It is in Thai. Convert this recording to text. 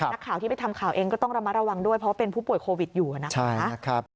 นักข่าวที่ไปทำข่าวเองก็ต้องระมัดระวังด้วยเพราะว่าเป็นผู้ป่วยโควิดอยู่นะคะ